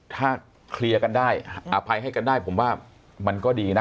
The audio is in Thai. ถ้าเคลียร์กันได้อภัยให้กันได้ผมว่ามันก็ดีนะ